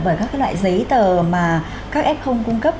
bởi các loại giấy tờ mà các f cung cấp